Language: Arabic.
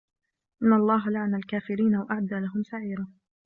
إِنَّ اللَّهَ لَعَنَ الْكَافِرِينَ وَأَعَدَّ لَهُمْ سَعِيرًا